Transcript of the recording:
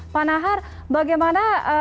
pak nahar bagaimana